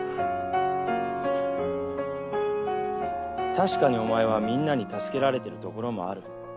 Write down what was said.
確かにお前はみんなに助けられてるところもある。